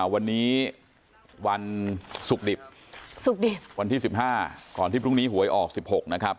วันนี้วันศุกร์ดิบศุกร์ดิบวันที่๑๕ก่อนที่พรุ่งนี้หวยออก๑๖นะครับ